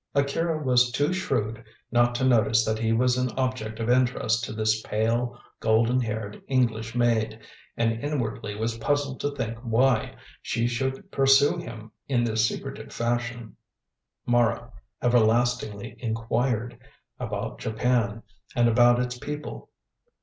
Akira was too shrewd not to notice that he was an object of interest to this pale, golden haired English maid, and inwardly was puzzled to think why she should pursue him in this secretive fashion. Mara everlastingly inquired about Japan, and about its people.